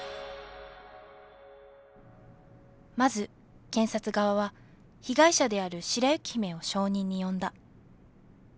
まず検察側は被害者である白雪姫を証人に呼んだ。